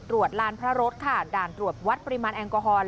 ลานพระรถค่ะด่านตรวจวัดปริมาณแอลกอฮอล